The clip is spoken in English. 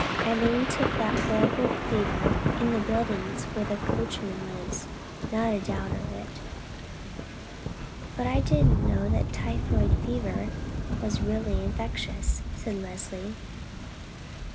Eileen took that horrible fever in the buildings where the coachman lives, not a doubt of it." "But I didn't know that typhoid fever was really infectious," said Leslie.